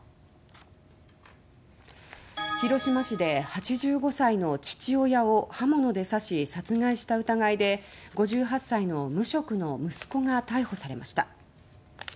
広島市で８５歳の父親を刃物で刺し殺害した疑いで５８歳の無職の息子が逮捕されました。